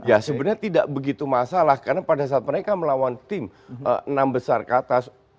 ya sebenarnya tidak begitu masalah karena pada saat mereka melawan tim enam besar ke atas